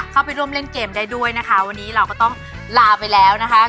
เข้าไปร่วมเล่นเกมได้ด้วยนะคะวันนี้เราก็ต้องลาไปแล้วนะคะ